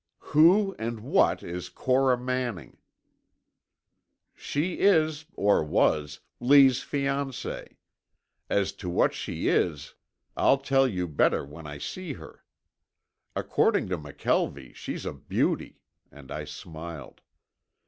"Who and what is Cora Manning?" "She is, or was, Lee's fiancée. As to what she is, I'll tell you better when I see her. According to McKelvie she's a beauty," and I smiled.